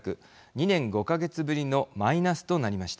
２年５か月ぶりのマイナスとなりました。